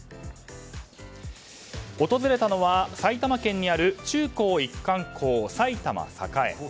訪れたのは埼玉県にある中高一貫校、埼玉栄。